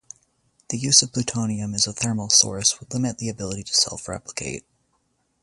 The use of plutonium as a thermal source would limit the ability to self-replicate.